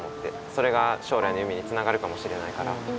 それが将来の夢につながるかもしれないから。